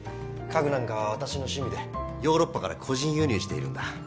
家具なんかは私の趣味でヨーロッパから個人輸入しているんだ。